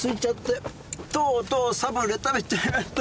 とうとうサブレー食べちゃいました。